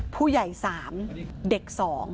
ผู้ใหญ่๓เด็ก๒